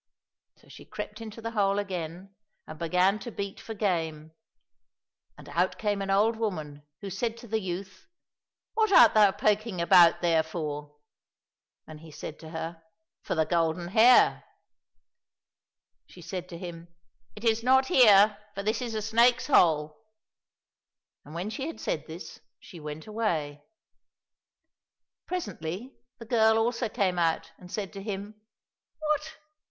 So she crept into the hole again and began to beat for game, and out came an old woman, who said to the youth, " What art thou poking about there for ?"— And he said to her, " For the golden hare." — She said to him, " It is not here, for this is a snake's hole," and when she had said this she went away. Presently the girl also came out and said to him, " What